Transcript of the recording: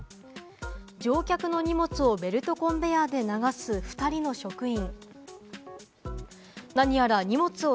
乗客の荷物をベルトコンベヤーで流す２人の職員。